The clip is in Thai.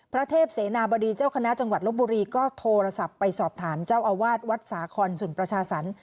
พระเทพเสนาบดีเจ้าคณะจังหวัดลบบุรีก็โทรศัพท์ไปสอบถามเจ้าอาวาสวัดสาคอนสุนประชาสรรค